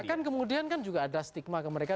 tapi kan kemudian kan juga ada stigma ke mereka